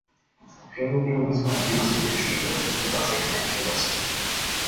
ხელმოკლეობის გამო გიგო ზაზიაშვილი ვერ ღებულობს დაწყებით განათლებას.